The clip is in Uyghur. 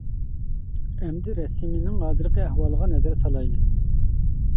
ئەمدى رەسىمنىڭ ھازىرقى ئەھۋالىغا نەزەر سالايلى.